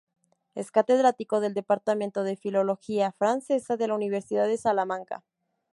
Es Catedrático del Departamento de Filología Francesa de la Universidad de Salamanca.